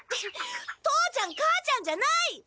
父ちゃん母ちゃんじゃない！